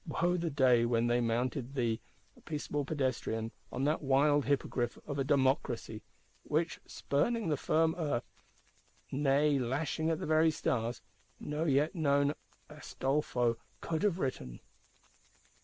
Wo the day when they mounted thee, a peaceable pedestrian, on that wild Hippogriff of a Democracy; which, spurning the firm earth, nay lashing at the very stars, no yet known Astolpho could have ridden!